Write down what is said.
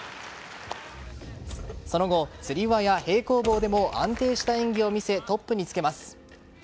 その後、つり輪や平行棒でも安定した演技を見せトップにつけます。